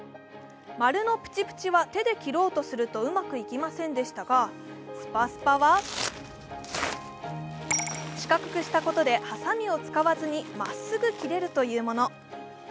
丸のプチプチは手で切ろうとするとうまくいきませんでしたが、スパスパは四角くしたことではさみを使わずにまっすぐ切れるというもの。